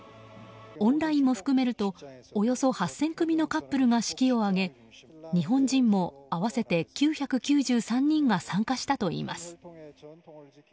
オンラインも含めるとおよそ８０００組のカップルが式を挙げ日本人も合わせて９９３人が参加したといいます。